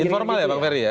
informal ya bang feri ya